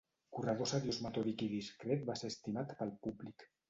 Corredor seriós metòdic i discret va ser estimat pel públic.